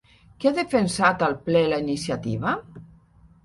Qui ha defensat al ple la iniciativa?